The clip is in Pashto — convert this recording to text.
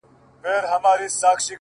• زه په لحد کي او ته به ژاړې ,